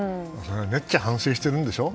めっちゃ反省してるんでしょ？